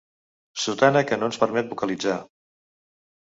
Sotana que no ens permet vocalitzar.